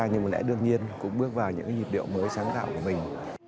nhưng mà lẽ đương nhiên cũng bước vào những nhịp điệu mới sáng tạo của mình